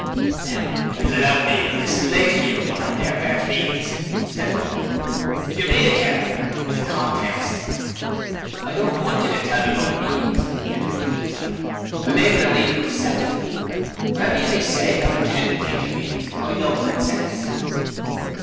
'Now, if you'll allow me, I'll explain to you what that there verse means,' said Hunter. 'If you read it carefully WITH the context ' 'I don't want you to tell me what it means,' interrupted the other. 'I am able to read for myself. Whatever you may say, or pretend to think it means, I know what it says.'